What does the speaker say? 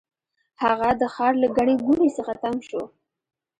هغه د ښار له ګڼې ګوڼې څخه تنګ شو.